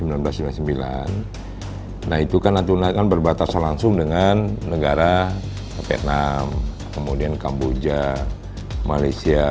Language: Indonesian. seribu sembilan ratus sembilan puluh sembilan nah itu kan natuna akan berbatas langsung dengan negara vietnam kemudian kamboja malaysia